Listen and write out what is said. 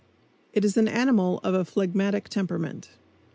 It is an animal of phlegmatic temperament.